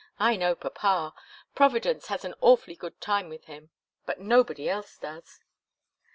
I know papa! Providence has an awfully good time with him but nobody else does."